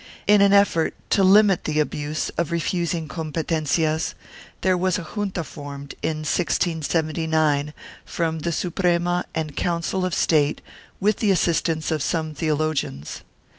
In an effort to limit the abuse of refusing competencias, there was a junta formed, in 1679, from the Suprema and Council of State with the assistance of some theologians.